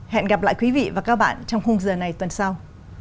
hẹn gặp lại quý vị và các bạn trong khung giờ này tuần sau